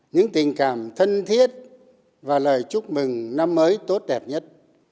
những tình cảm thân thiết và lời chúc mừng năm mới tốt đẹp nhất